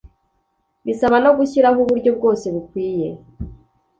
bisaba no gushyiraho uburyo bwose bukwiye